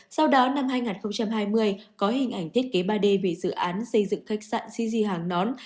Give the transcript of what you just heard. sau đó năm hai nghìn hai mươi có hình ảnh thiết kế ba d về dự án xây dựng khách sạn cz hàng nón